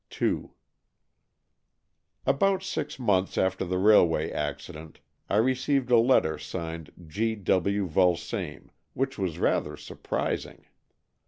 II About six months after the railway acci dent, I received a letter signed G. W. Vulsame, which was rather surprising.